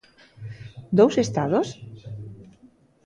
Dous Estados?